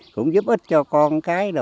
cũng giúp ích cho con cái